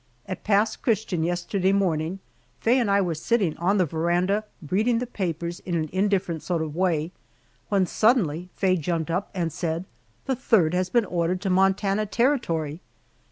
At Pass Christian yesterday morning, Faye and I were sitting on the veranda reading the papers in an indifferent sort of way, when suddenly Faye jumped up and said, "The Third has been ordered to Montana Territory!"